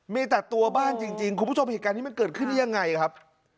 มีแต่ตัวบ้านจริงคุณผู้ชมเหตุการณ์นี้มันเกิดขึ้นได้ยังไงครับ